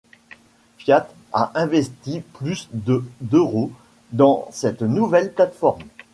Fiat a investi plus de d'euros dans cette nouvelle plate-forme.